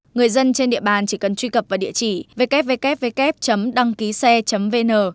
người dân trên địa bàn chỉ cần truy cập vào địa chỉ www đăngkise vn